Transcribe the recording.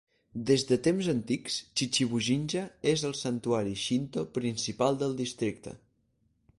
Des de temps antics, Chichibu-jinja és el santuari Shinto principal del districte.